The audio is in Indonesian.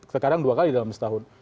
sekarang dua kali dalam setahun